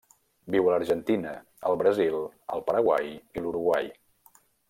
Viu a l'Argentina, el Brasil, el Paraguai i l'Uruguai.